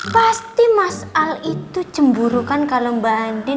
pasti mas al itu cemburu kan kalo mbak andien